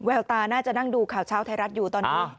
แววตาน่าจะนั่งดูข่าวเช้าไทยรัฐอยู่ตอนนี้